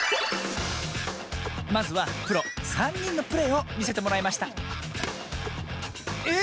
まずはプロさんにんのプレーをみせてもらいましたえ